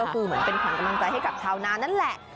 ก็คือเหมือนเป็นขวัญกำลังใจให้กับชาวนานนั่นแหละ